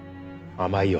甘いよ。